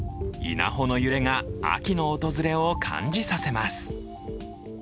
稲穂の揺れが秋の訪れを感じさせます。